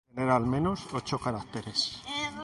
tener al menos ocho carácteres